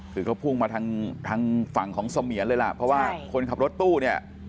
คือก็พุ่งมาทางฝั่งของเสมียนเลยล่ะเพราะว่าคนขับรถตู้เนี่ย